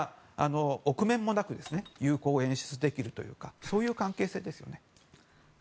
臆面もなく友好を演出できるというかそういう関係性ですよね。